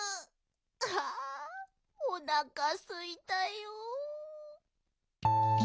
ああおなかすいたよ。